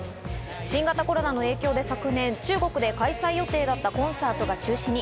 新型コロナの影響で昨年、中国で開催予定だったコンサートが中止に。